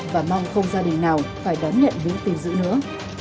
và mong không gia đình nào phải đón nhận những tin dữ nữa